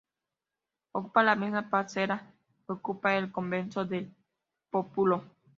Ocupa la misma parcela que ocupaba el convento del Pópulo.